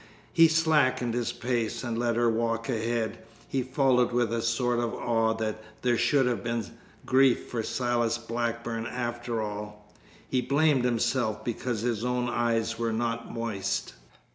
He slackened his pace and let her walk ahead. He followed with a sort of awe that there should have been grief for Silas Blackburn after all. He blamed himself because his own eyes were not moist.